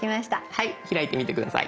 開いてみて下さい。